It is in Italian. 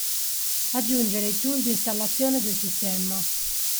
Aggiungere i tool di installazione del sistema.